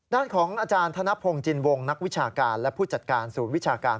ด้านของอาจารย์ธนพงศ์จินวงนักวิชาการและผู้จัดการศูนย์วิชาการ